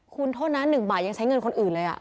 คุณโทษนะ๑บาทยังใช้เงินคนอื่นเลย